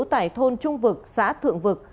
tại thôn trung vực xã thượng vực